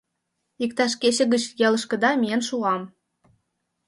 Иктаж кече гыч ялышкыда миен шуам.